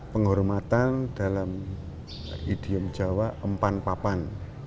penghormatan dalam idiom jawa empan papan